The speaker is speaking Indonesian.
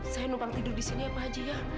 saya numpang tidur di sini ya pak haji ya